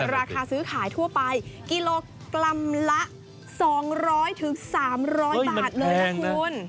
ราคาซื้อขายทั่วไปกิโลกรัมละ๒๐๐๓๐๐บาทเลยนะคุณ